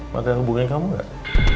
mata yang hubungan kamu gak